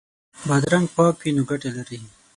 بادرنګ پاک وي نو ګټه لري.